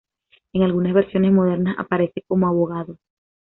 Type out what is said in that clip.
En algunas versiones modernas aparece como abogado.